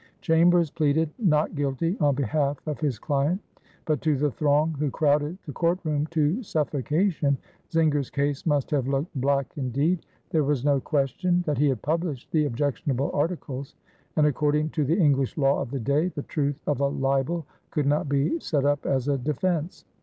Chambers pleaded "not guilty" on behalf of his client; but to the throng who crowded the court room to suffocation, Zenger's case must have looked black indeed. There was no question that he had published the objectionable articles, and according to the English law of the day the truth of a libel could not be set up as a defense.